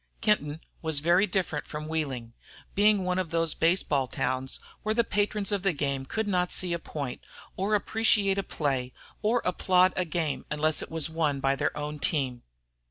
Kenton was very different from Wheeling, being one of those baseball towns where the patrons of the game could not see a point, or appreciate a play, or applaud a game unless it was won by their own team.